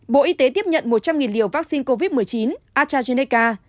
bộ y tế tiếp nhận một trăm linh liều vaccine covid một mươi chín astrazeneca